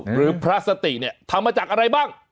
พระสติเนี่ยทำมาจากอะไรบ้าง